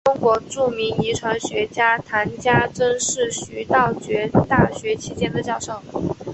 中国著名遗传学家谈家桢是徐道觉大学期间的教授。